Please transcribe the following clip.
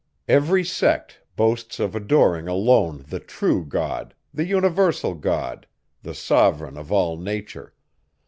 Every sect boasts of adoring alone the true God, the universal God, the Sovereign of all nature.